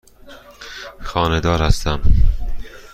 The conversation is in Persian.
خانه دار هستم.